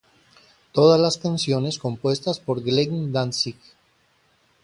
Todas las canciones compuestas por Glenn Danzig.